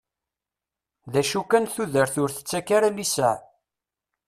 D acu kan tudert ur tettak ara liseɛ.